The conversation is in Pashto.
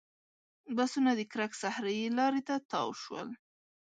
بسونه د کرک صحرایي لارې ته تاو شول.